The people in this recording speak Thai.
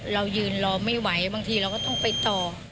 เรายืนรอไม่ไหวบางทีเราก็ต้องไปต่อ